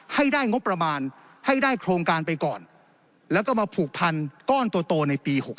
ให้ได้งบประมาณให้ได้โครงการไปก่อนแล้วก็มาผูกพันก้อนโตในปี๖๖